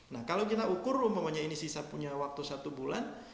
nah kalau kita ukur umpamanya ini sisa punya waktu satu bulan